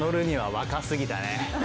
若すぎた。